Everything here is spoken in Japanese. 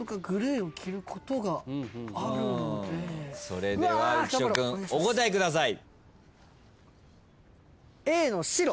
それでは浮所君お答えください。